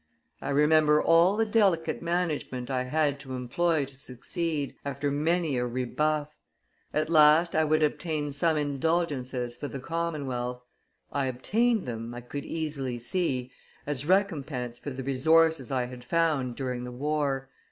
I remember all the delicate management I had to employ to succeed, after many a rebuff. At last I would obttin some indulgences for the commonwealth. I obtained them, I could easily see, as recompense for the resources I had found during the war.